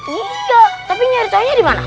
iya tapi nyari tawonnya di mana